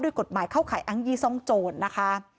ด้วยกฎหมายเข้าข่ายอังยีส่องโจรนะคะ